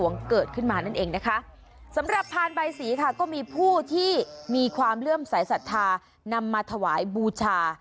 เกิดขึ้นมานั่นเองนะคะสำหรับพานใบสีค่ะก็มีผู้ที่มีความเลื่อมสายศรัทธานำมาถวายบูชา